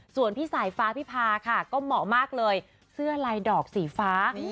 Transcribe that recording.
ส่วนพี่สายฟ้าพิพาค่ะก็เหมาะมากเลยเสื้อลายดอกสีฟ้า